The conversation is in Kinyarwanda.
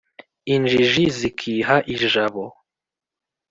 Injiji zikiha ijabo